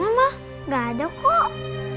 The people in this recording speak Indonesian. mana ma gak ada kok